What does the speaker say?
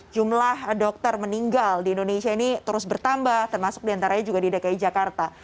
jumlah dokter meninggal di indonesia ini terus bertambah termasuk diantaranya juga di dki jakarta